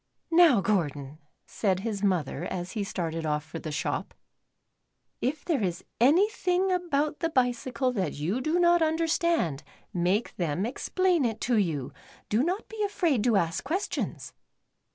Now, Gordon," said his mother, as he started off for the shop, " if there is anything about the bicycle that you do not understand, make them explain it to you. Do not be afraid to ask ques tions."